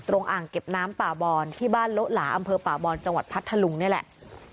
อ่างเก็บน้ำป่าบอนที่บ้านโละหลาอำเภอป่าบอนจังหวัดพัทธลุงนี่แหละ